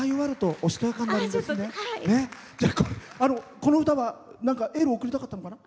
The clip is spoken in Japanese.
この歌は、エールを送りたかったのかな？